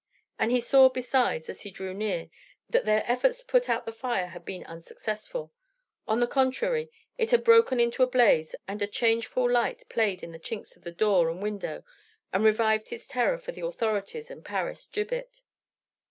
And he saw besides, as he drew near, that their efforts to put out the fire had been unsuccessful; on the contrary, it had broken into a blaze, and a changeful light played in the chinks of the door and window, and revived his terror for the authorities and Paris gibbet.